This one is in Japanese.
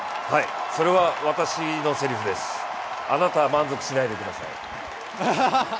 それは私のセリフです、あなたは満足しないでください。